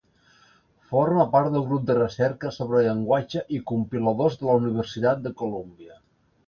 Forma part del grup de recerca sobre Llenguatge i Compiladors de la Universitat de Colúmbia.